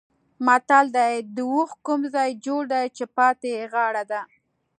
متل دی: د اوښ کوم ځای جوړ دی چې پاتې یې غاړه ده.